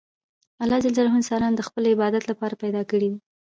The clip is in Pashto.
الله جل جلاله انسان د خپل عبادت له پاره پیدا کړى دئ.